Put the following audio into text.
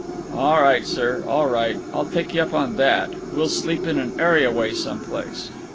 "All right, sir; all right. I'll take you up on that. We'll sleep in an areaway some place."